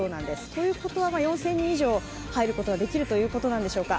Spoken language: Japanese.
ということは４０００人以上入ることができるということでしょうか。